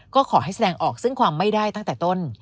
ก็ขอให้แสดงออกซึ่งความไม่ได้ตั้งแต่ต้น